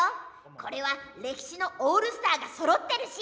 これは歴史のオールスターがそろってるし。